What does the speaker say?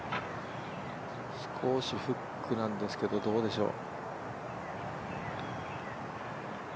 少しフックなんですけど、どうでしょう。